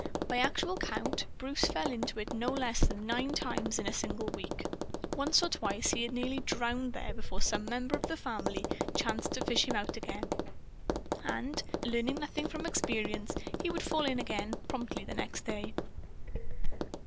By actual count, Bruce fell into it no less than nine times in a single week. Once or twice he had nearly drowned there before some member of the family chanced to fish him out. And, learning nothing from experience, he would fall in again, promptly, the next day.